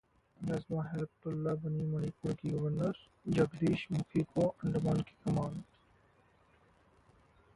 नजमा हेपतुल्ला बनीं मणिपुर की गवर्नर, जगदीश मुखी को अंडमान की कमान